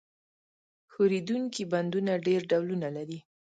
ښورېدونکي بندونه ډېر ډولونه لري.